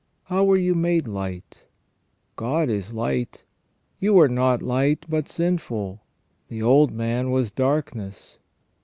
How were you made light ? God is light. You were not light, but sinful. The old man was darkness.